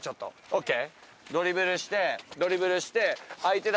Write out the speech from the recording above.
ＯＫ！